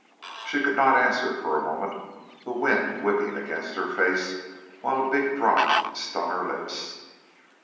She could not answer for a moment, the wind whipping against her face, while a big drop stung her lips.